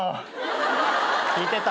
聞いてた？